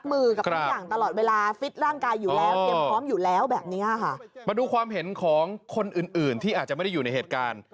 มาดูความเห็นของคนอื่นที่อาจจะไม่ได้อยู่ในเหตุการณ์